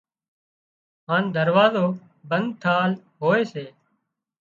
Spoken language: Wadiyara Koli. هانَ دروازو بند ٿل هوئي سي